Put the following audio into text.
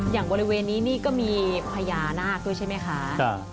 อย่างบริเวณนี้นี่ก็มีพญานาคด้วยใช่ไหมคะ